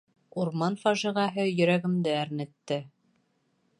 Урман фажиғәһе йөрәгемде әрнетте.